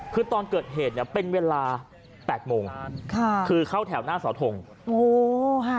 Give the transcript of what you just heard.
คือตอนเกิดเหตุเนี่ยเป็นเวลาแปดโมงค่ะคือเข้าแถวหน้าเสาทงโอ้โหค่ะ